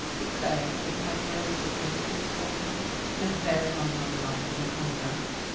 declare that it had no significance for me? no bearing on my life and conduct?